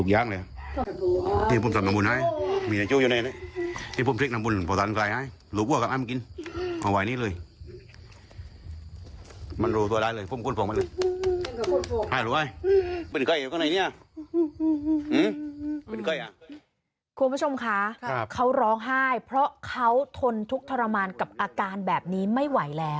คุณผู้ชมคะเขาร้องไห้เพราะเขาทนทุกข์ทรมานกับอาการแบบนี้ไม่ไหวแล้ว